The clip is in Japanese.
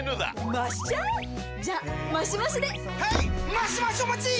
マシマシお待ちっ！！